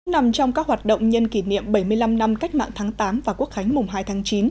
nằm trong các hoạt động nhân kỷ niệm bảy mươi năm năm cách mạng tháng tám và quốc khánh mùng hai tháng chín